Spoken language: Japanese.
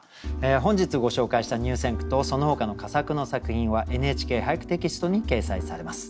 本日ご紹介した入選句とそのほかの佳作の作品は「ＮＨＫ俳句」テキストに掲載されます。